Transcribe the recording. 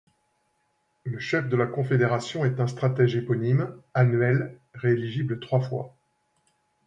Le chef de la Confédération est un Stratège éponyme, annuel, rééligible trois fois.